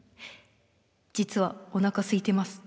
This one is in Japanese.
実はおなかすいてます。